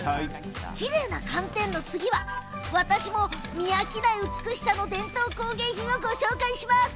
きれいな寒天の次は私も見飽きない美しさの伝統工芸品をご紹介します。